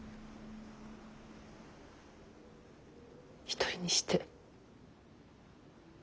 一人にして。